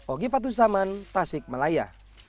ogi fatusaman tasik malaya